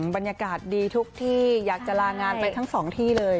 บรรยากาศดีทุกที่อยากจะลางานไปทั้งสองที่เลย